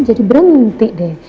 jadi berhenti deh